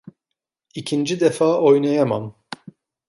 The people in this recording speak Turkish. İkinci defa oynayamam.